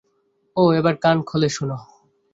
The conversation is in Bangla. ওহ, এবার কান খুলে শোন।